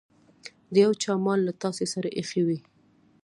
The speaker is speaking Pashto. د يو چا مال له تاسې سره ايښی وي.